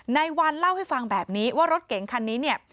ในวันเล่าให้ฟังแบบนี้ว่ารถเก๋งคันนี้เนี่ย